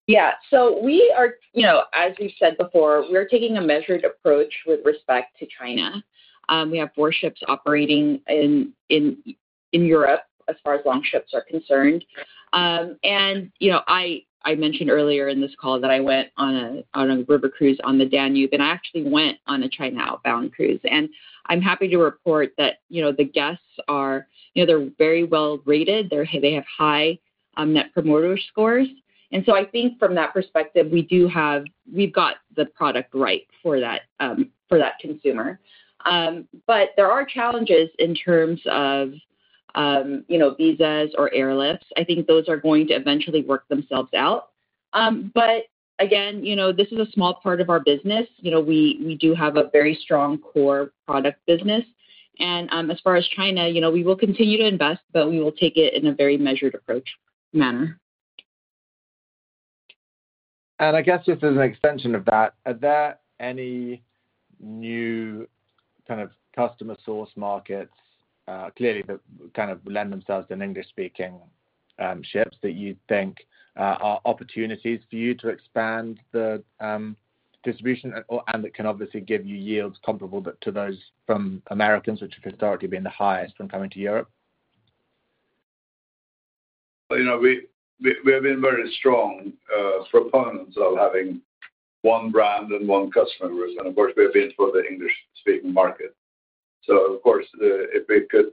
Yeah. So we are, you know, as we said before, we're taking a measured approach with respect to China. We have four ships operating in Europe, as far as Longships are concerned. And, you know, I mentioned earlier in this call that I went on a river cruise on the Danube, and I actually went on a China outbound cruise, and I'm happy to report that, you know, the guests are. You know, they're very well rated. They have high Net Promoter Scores. And so I think from that perspective, we do have, we've got the product right for that consumer. But there are challenges in terms of, you know, visas or airlifts. I think those are going to eventually work themselves out. But again, you know, this is a small part of our business. You know, we do have a very strong core product business. And, as far as China, you know, we will continue to invest, but we will take it in a very measured approach manner. I guess just as an extension of that, are there any new kind of customer source markets, clearly, that kind of lend themselves in English-speaking ships, that you think are opportunities for you to expand the distribution or and that can obviously give you yields comparable but to those from Americans, which have historically been the highest when coming to Europe? You know, we have been very strong proponents of having one brand and one customer, and of course, we have been for the English-speaking market. So of course, if we could,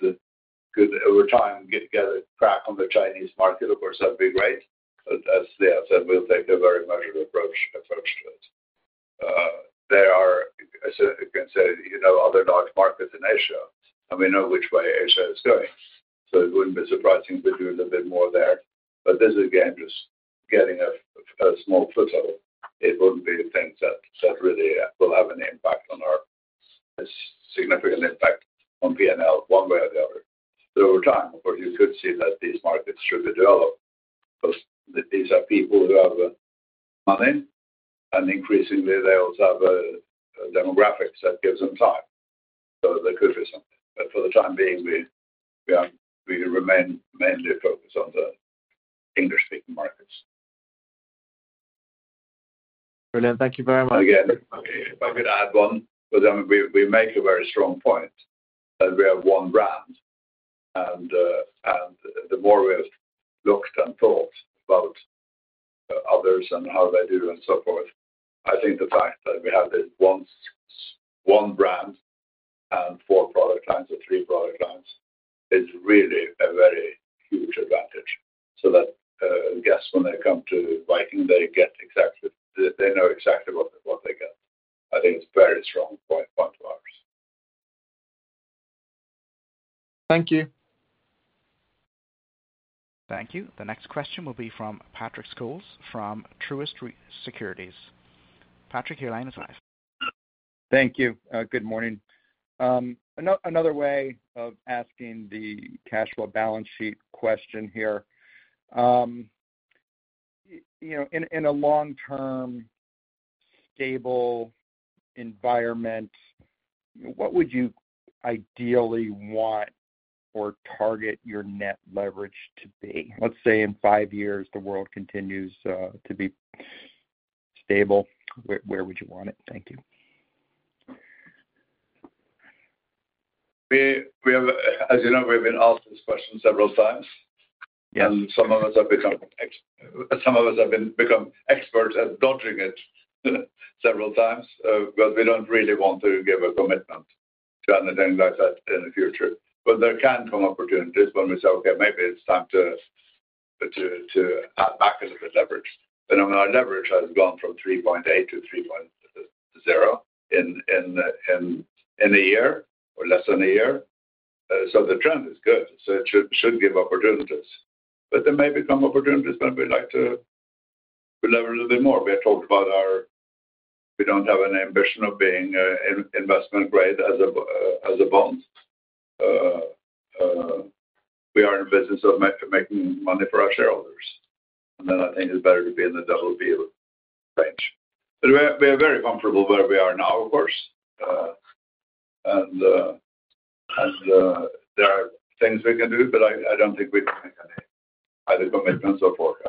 over time, get a crack on the Chinese market, of course, that'd be great. But as they have said, we'll take a very measured approach to it. There are, as you can see, you know, other large markets in Asia, and we know which way Asia is going. So it wouldn't be surprising if we do a little bit more there. But this is, again, just getting a small foothold. It wouldn't be the things that really will have an impact on our... a significant impact on P&L one way or the other. So over time, of course, you could see that these markets should be developed, but these are people who have money, and increasingly, they also have demographics that gives them time, so they could do something. But for the time being, we remain mainly focused on the English-speaking markets. Brilliant. Thank you very much. Again, if I could add one. But then we make a very strong point that we are one brand. The more we've looked and thought about others and how they do and so forth, I think the fact that we have this one brand and four product lines or three product lines is really a very huge advantage. Guests, when they come to Viking, get exactly what they get. They know exactly what they get. I think it's a very strong point of ours. Thank you. Thank you. The next question will be from Patrick Scholes, from Truist Securities. Patrick, your line is live. Thank you. Good morning. Another way of asking the cash flow balance sheet question here. You know, in a long-term, stable environment, what would you ideally want or target your net leverage to be? Let's say in five years, the world continues to be stable, where would you want it? Thank you. We have, as you know, we've been asked this question several times. Yes. Some of us have become experts at dodging it several times, but we don't really want to give a commitment to anything like that in the future. There can come opportunities when we say, okay, maybe it's time to cut back a little bit leverage. The amount of leverage has gone from 3.8-3.0 in a year or less than a year. So the trend is good, so it should give opportunities. There may become opportunities when we like to leverage a little bit more. We had talked about our. We don't have an ambition of being investment grade as a bond. We are in business of making money for our shareholders, and then I think it's better to be in the BB range. But we are very comfortable where we are now, of course. There are things we can do, but I don't think we can make any either commitments or forecasts.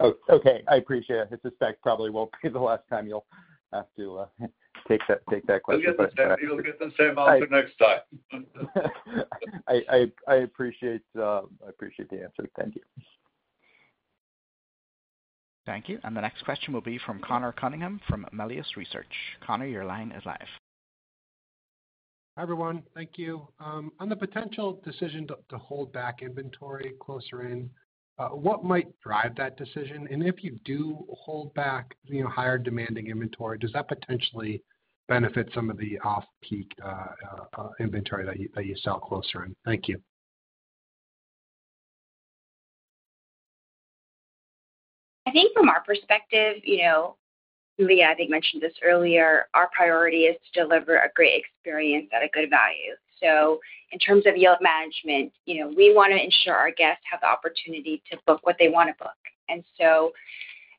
Oh, okay. I appreciate it. This fact probably won't be the last time you'll have to take that question. You'll get the same answer next time. I appreciate the answer. Thank you. Thank you. And the next question will be from Conor Cunningham, from Melius Research. Conor, your line is live. Hi, everyone. Thank you. On the potential decision to hold back inventory closer in, what might drive that decision? And if you do hold back, you know, higher-demanding inventory, does that potentially benefit some of the off-peak inventory that you sell closer in? Thank you. I think from our perspective, you know, Leah, I think, mentioned this earlier, our priority is to deliver a great experience at a good value, so in terms of yield management, you know, we wanna ensure our guests have the opportunity to book what they want to book, and so,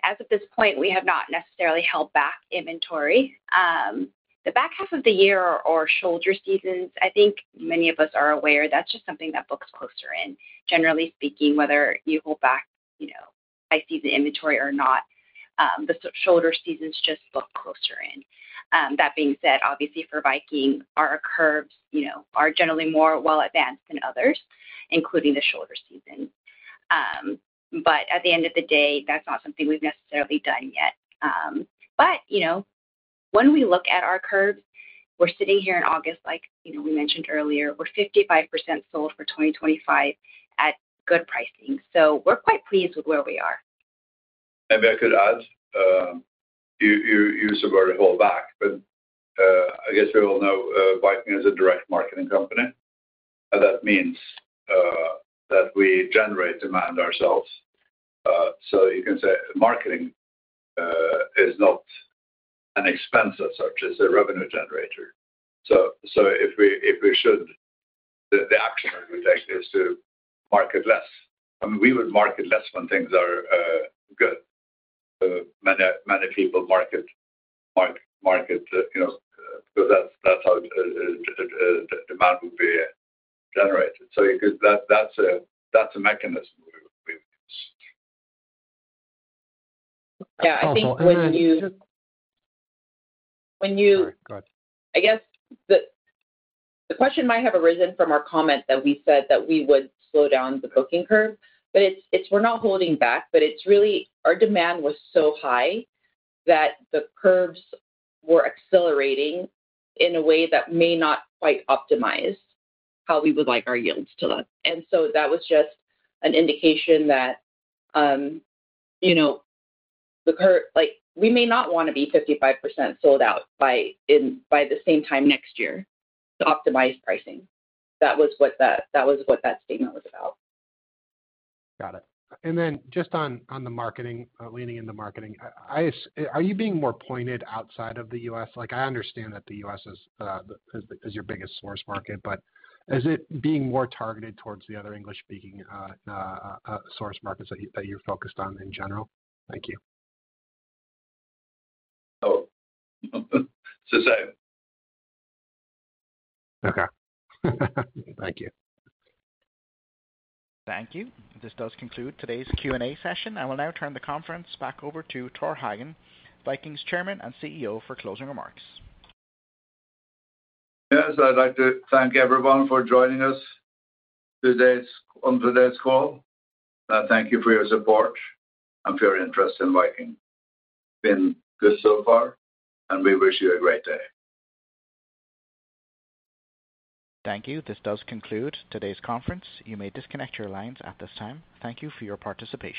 as of this point, we have not necessarily held back inventory. The back half of the year or shoulder seasons, I think many of us are aware, that's just something that books closer in. Generally speaking, whether you hold back, you know, high season inventory or not, the shoulder seasons just book closer in. That being said, obviously for Viking, our curves, you know, are generally more well advanced than others, including the shoulder season, but at the end of the day, that's not something we've necessarily done yet. But, you know, when we look at our curves, we're sitting here in August, like, you know, we mentioned earlier, we're 55% sold for 2025 at good pricing. So we're quite pleased with where we are. Maybe I could add, you said where to hold back, but I guess we all know Viking is a direct marketing company, and that means that we generate demand ourselves. So you can say marketing is not an expense as such, it's a revenue generator. If we should, the action that we take is to market less. I mean, we would market less when things are good. Many people market, you know, so that's how demand would be generated. So you could. That's a mechanism we use. Yeah, I think when you- Sorry, go ahead. I guess the question might have arisen from our comment that we said that we would slow down the booking curve, but it's we're not holding back, but it's really our demand was so high that the curves were accelerating in a way that may not quite optimize how we would like our yields to look. And so that was just an indication that, you know, like, we may not wanna be 55% sold out by the same time next year to optimize pricing. That was what that statement was about. Got it. And then just on the marketing, leaning into marketing, are you being more pointed outside of the U.S.? Like, I understand that the U.S. is your biggest source market, but is it being more targeted towards the other English-speaking source markets that you're focused on in general? Thank you. Oh, so so. Okay. Thank you. Thank you. This does conclude today's Q&A session. I will now turn the conference back over to Tor Hagen, Viking's Chairman and CEO, for closing remarks. Yes, I'd like to thank everyone for joining us today, on today's call. Thank you for your support and for your interest in Viking. Been good so far, and we wish you a great day. Thank you. This does conclude today's conference. You may disconnect your lines at this time. Thank you for your participation.